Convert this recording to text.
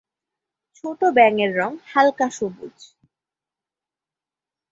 ছোট ব্যাঙের রং হালকা সবুজ।